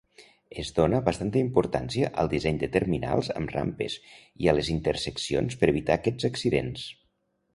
Es dona bastanta importància al disseny de terminals amb rampes i a les interseccions per evitar aquests accidents.